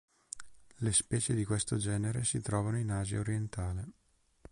Le specie di questo genere si trovano in Asia orientale.